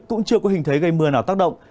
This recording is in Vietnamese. cũng chưa có hình thế gây mưa nào tác động